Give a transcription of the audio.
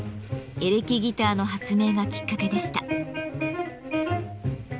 エレキギターの発明がきっかけでした。